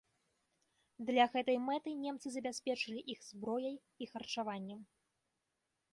Для гэтай мэты немцы забяспечылі іх зброяй і харчаваннем.